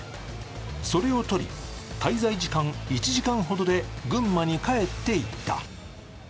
それを撮り、滞在時間１時間ほどで群馬に帰っていった。